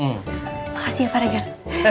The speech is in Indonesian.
makasih ya pak regan